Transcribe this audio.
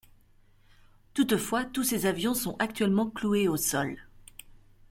Toutefois, tous ces avions sont actuellement cloués au sol.